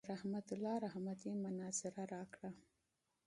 رحمت الله رحمتي مناظره راکړه.